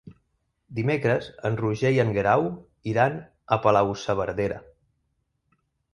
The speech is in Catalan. Dimecres en Roger i en Guerau iran a Palau-saverdera.